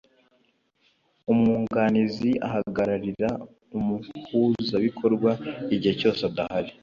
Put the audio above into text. umwunganizi ahagararira umuhuzabikorwa igihe cyose adahari